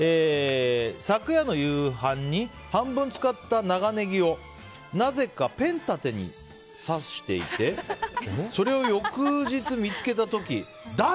昨夜の夕飯に半分使った長ネギをなぜかペン立てに挿していてそれを翌日見つけた時誰？